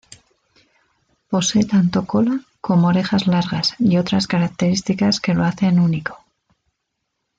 Posee tanto cola, como orejas largas y otras características que lo hacen único.